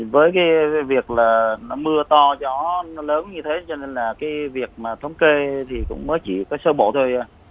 với cái việc là nó mưa to gió nó lớn như thế cho nên là cái việc mà thống kê thì cũng mới chỉ có sơ bộ thôi